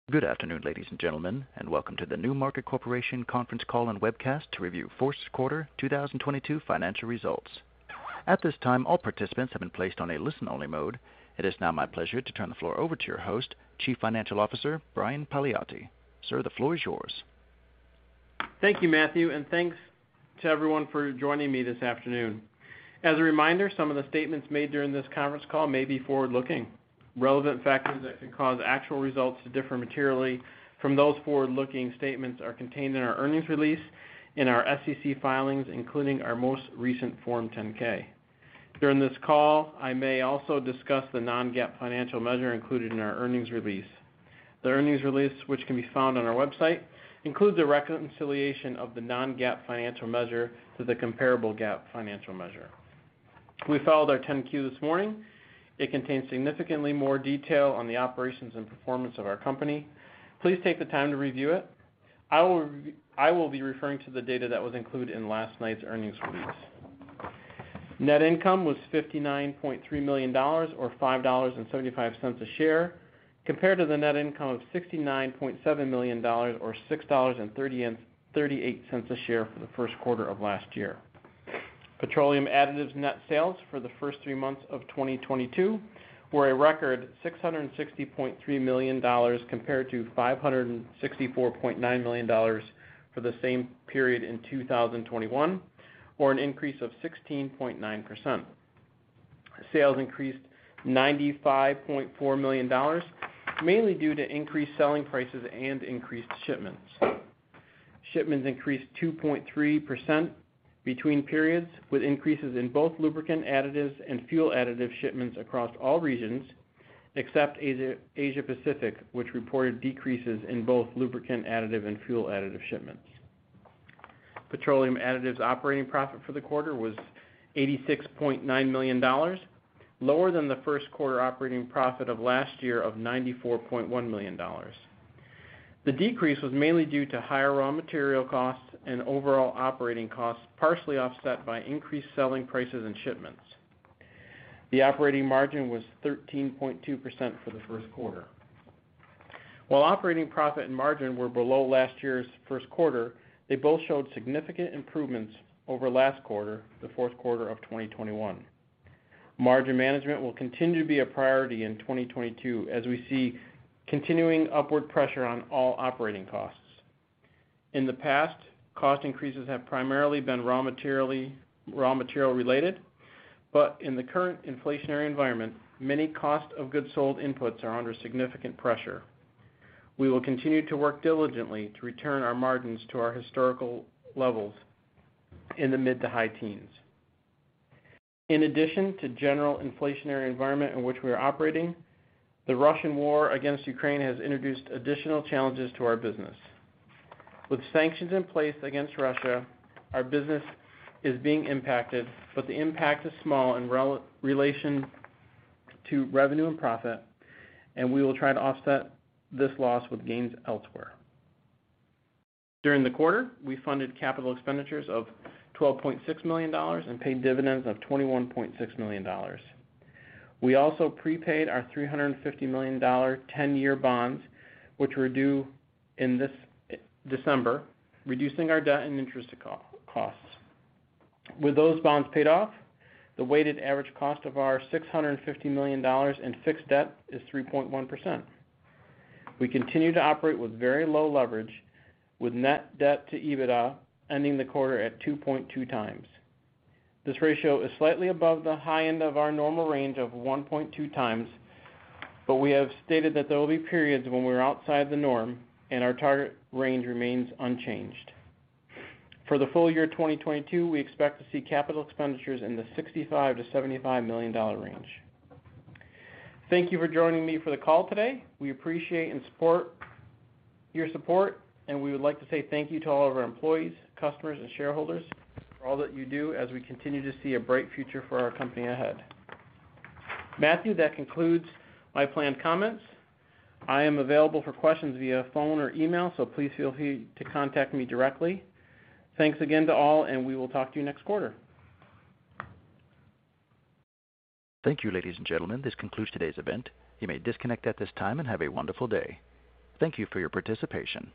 Good afternoon, ladies and gentlemen, and welcome to the NewMarket Corporation conference call and webcast to review fourth quarter 2022 financial results. At this time, all participants have been placed on a listen-only mode. It is now my pleasure to turn the floor over to your host, Chief Financial Officer, Brian D. Paliotti. Sir, the floor is yours. Thank you, Matthew, and thanks to everyone for joining me this afternoon. As a reminder, some of the statements made during this conference call may be forward-looking. Relevant factors that can cause actual results to differ materially from those forward-looking statements are contained in our earnings release, in our SEC filings, including our most recent Form 10-K. During this call, I may also discuss the non-GAAP financial measure included in our earnings release. The earnings release, which can be found on our website, includes a reconciliation of the non-GAAP financial measure to the comparable GAAP financial measure. We filed our 10-Q this morning. It contains significantly more detail on the operations and performance of our company. Please take the time to review it. I will be referring to the data that was included in last night's earnings release. Net income was $59.3 million or $5.75 a share, compared to the net income of $69.7 million or $6.38 a share for the first quarter of last year. Petroleum additives net sales for the first three months of 2022 were a record $660.3 million compared to $564.9 million for the same period in 2021, or an increase of 16.9%. Sales increased $95.4 million, mainly due to increased selling prices and increased shipments. Shipments increased 2.3% between periods, with increases in both lubricant additives and fuel additive shipments across all regions, except Asia Pacific, which reported decreases in both lubricant additive and fuel additive shipments. Petroleum additives operating profit for the quarter was $86.9 million, lower than the first quarter operating profit of last year of $94.1 million. The decrease was mainly due to higher raw material costs and overall operating costs, partially offset by increased selling prices and shipments. The operating margin was 13.2% for the first quarter. While operating profit and margin were below last year's first quarter, they both showed significant improvements over last quarter, the fourth quarter of 2021. Margin management will continue to be a priority in 2022, as we see continuing upward pressure on all operating costs. In the past, cost increases have primarily been raw material related, but in the current inflationary environment, many cost of goods sold inputs are under significant pressure. We will continue to work diligently to return our margins to our historical levels in the mid-to-high teens. In addition to general inflationary environment in which we are operating, the Russian war against Ukraine has introduced additional challenges to our business. With sanctions in place against Russia, our business is being impacted, but the impact is small in relation to revenue and profit, and we will try to offset this loss with gains elsewhere. During the quarter, we funded capital expenditures of $12.6 million and paid dividends of $21.6 million. We also prepaid our $350 million ten-year bonds, which were due in this December, reducing our debt and interest costs. With those bonds paid off, the weighted average cost of our $650 million in fixed debt is 3.1%. We continue to operate with very low leverage, with net debt to EBITDA ending the quarter at 2.2x. This ratio is slightly above the high end of our normal range of 1.2 times, but we have stated that there will be periods when we're outside the norm and our target range remains unchanged. For the full year 2022, we expect to see capital expenditures in the $65 million-$75 million range. Thank you for joining me for the call today. We appreciate your support, and we would like to say thank you to all of our employees, customers, and shareholders for all that you do as we continue to see a bright future for our company ahead. Matthew, that concludes my planned comments. I am available for questions via phone or email, so please feel free to contact me directly. Thanks again to all, and we will talk to you next quarter. Thank you, ladies and gentlemen. This concludes today's event. You may disconnect at this time and have a wonderful day. Thank you for your participation.